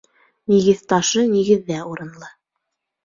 Нигеҙ ташы нигеҙҙә урынлы.